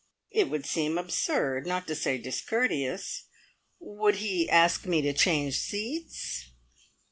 It would seem absurd, not to say discourteous. Would he ask me to change seats?